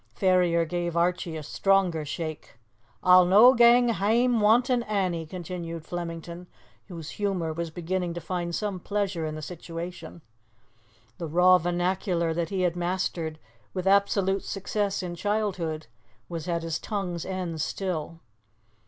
Ferrier gave Archie a stronger shake. "A'll no gang hame wantin' Annie!" continued Flemington, whose humour was beginning to find some pleasure in the situation. The raw vernacular that he had mastered with absolute success in childhood was at his tongue's end still.